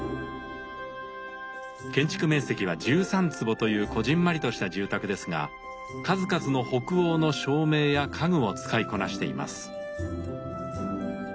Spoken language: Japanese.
建築面積は１３坪というこじんまりとした住宅ですが数々の北欧の照明や家具を使いこなしています。